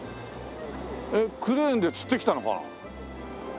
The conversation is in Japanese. えっクレーンでつってきたのかな。